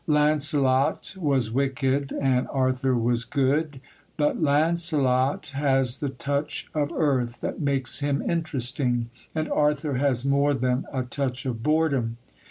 Lancelot was wicked, and Arthur was good; but Lancelot has the touch of earth that makes him interesting, and Arthur has more than a touch of boredom.